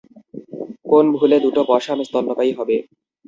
কোন ভুলে দুটো পসাম স্তন্যপায়ী হবে?